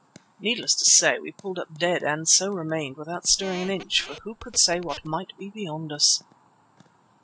Needless to say we pulled up dead and so remained without stirring an inch, for who could say what might be beyond us?